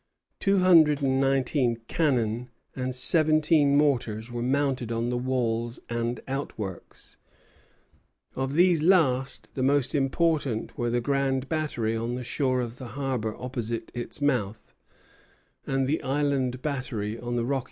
Two hundred and nineteen cannon and seventeen mortars were mounted on the walls and outworks. Of these last the most important were the Grand Battery on the shore of the harbor opposite its mouth, and the Island Battery on the rocky islet at its entrance.